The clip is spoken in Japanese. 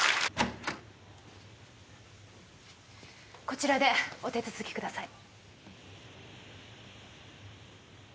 こちらでお手続きください。